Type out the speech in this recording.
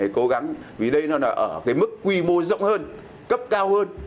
cố gắng vì đây nó là ở cái mức quy mô rộng hơn cấp cao hơn